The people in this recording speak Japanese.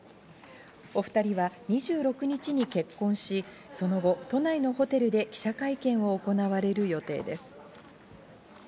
お２人は２６日に結婚し、その後、都内のホテルで記者会見が行われる予定です。